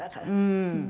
うん。